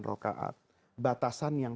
rokaat batasan yang